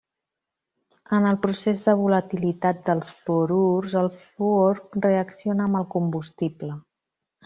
En el procés de volatilitat dels fluorurs, el fluor reacciona amb el combustible.